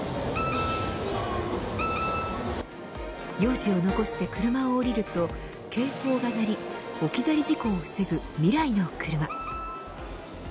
幼児を残して車を降りると警報が鳴り置き去り事故を防ぐ未来のクルマ。